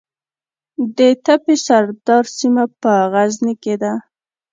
د تپې سردار سیمه په غزني کې ده